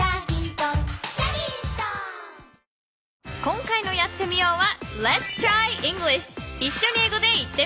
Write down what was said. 今回の「やってみよう！」は。